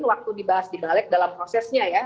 waktu dibahas di balik dalam prosesnya ya